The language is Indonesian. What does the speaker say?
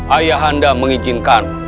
ayah anda mengizinkan